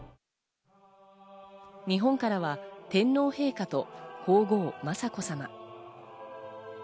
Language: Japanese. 日本からは天皇陛下と皇后・雅子さま。